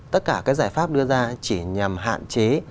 tất cả các giải pháp đưa ra chỉ nhằm hạn chế